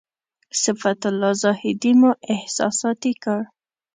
صفت الله زاهدي مو احساساتي کړ.